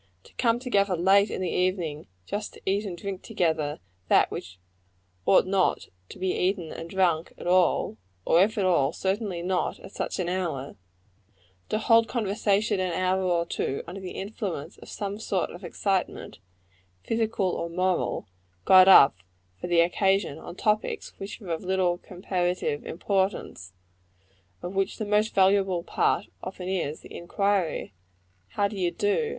To come together late in the evening, just to eat and drink together that which ought not to be eaten and drunk at all or if at all, certainly not at such an hour; to hold conversation an hour or two under the influence of some sort of excitement, physical or moral, got up for the occasion, on topics which are of little comparative importance of which the most valuable part often is, the inquiry, How do you do?